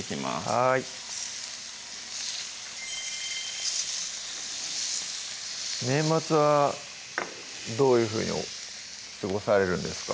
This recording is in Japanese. はい年末はどういうふうに過ごされるんですか？